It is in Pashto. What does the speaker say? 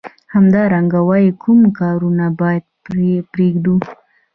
همدارنګه وايي کوم کارونه باید پریږدو.